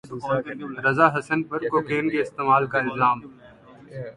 رضا حسن پر کوکین کے استعمال کا الزام